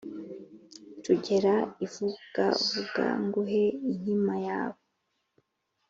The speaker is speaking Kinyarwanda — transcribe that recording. tugere i vugavuga nguhe inkima yawe